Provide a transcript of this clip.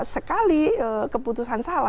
sekali keputusan salah